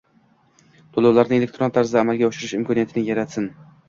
To‘lovlarni elektron tarzda amalga oshirish imkonini yaratsin.